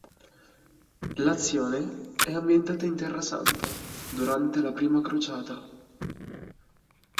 L'azione è ambientata in Terrasanta durante la Prima Crociata.